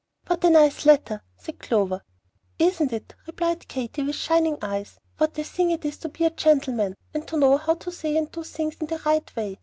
"What a nice letter!" said Clover. "Isn't it?" replied Katy, with shining eyes, "what a thing it is to be a gentleman, and to know how to say and do things in the right way!